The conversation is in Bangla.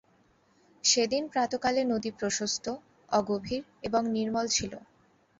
সে দিন প্রাতঃকালে নদী প্রশস্ত, অগভীর এবং নির্মল ছিল।